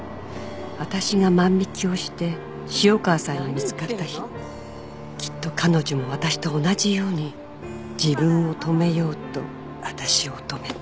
「私が万引をして潮川さんに見つかった日きっと彼女も私と同じように自分を止めようと私を止めた」